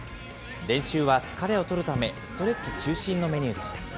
練習は疲れを取るためストレッチ中心のメニューでした。